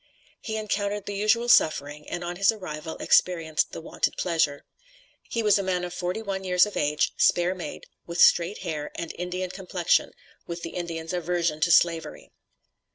He encountered the usual suffering, and on his arrival experienced the wonted pleasure. He was a man of forty one years of age, spare made, with straight hair, and Indian complexion, with the Indian's aversion to Slavery.